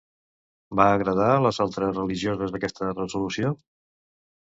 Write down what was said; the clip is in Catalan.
Va agradar a les altres religioses aquesta resolució?